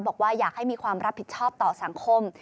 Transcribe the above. บอกว่าอยากให้มีความรับผิดชอบต่อสังคม